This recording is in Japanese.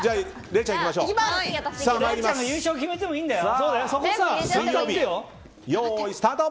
礼ちゃんが優勝決めてもいいんだよ。